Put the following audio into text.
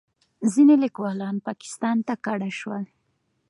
ځینې لیکوالان پاکستان ته کډه شول.